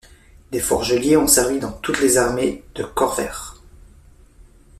Des forgeliers ont servi dans toutes les armées de Khorvaire.